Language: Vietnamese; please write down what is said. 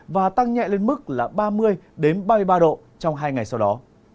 và tăng nhẹ lên mức là ba mươi ba mươi ba độ trong hai ngày sau đó